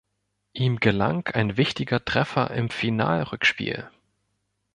Ihm gelang ein wichtiger Treffer im Finalrückspiel.